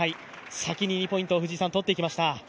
先に２ポイントを取っていきました